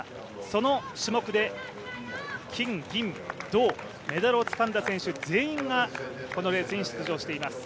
その種目で金銀銅メダルをつかんだ選手、全員がこのレースに出場しています。